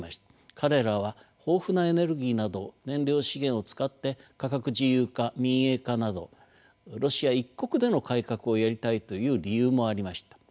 彼らは豊富なエネルギーなど燃料資源を使って価格自由化民営化などロシア一国での改革をやりたいという理由もありました。